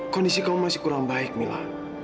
kondisi kau masih kurang baik mila